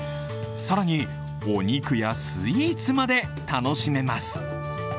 更に、お肉やスイーツまで楽しめます。